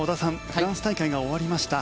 フランス大会が終わりました。